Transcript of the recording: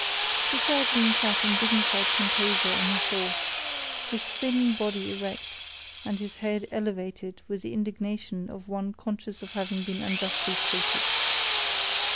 The surgeon sat in dignified composure on his horse; his thin body erect, and his head elevated with the indignation of one conscious of having been unjustly treated.